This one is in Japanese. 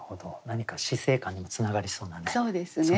何か死生観につながりそうなね